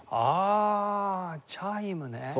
ああチャイムね。